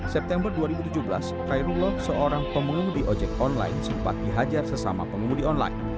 september dua ribu tujuh belas khairullah seorang pengemudi ojek online sempat dihajar sesama pengemudi online